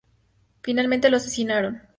Finalmente lo asesinaron.